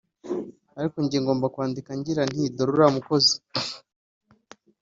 ariko jye ngomba kwandika ngira nti ’dore uriya mukozi